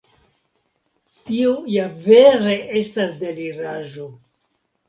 Tio ja vere estas deliraĵo.